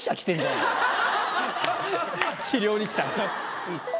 治療に来た？あっ！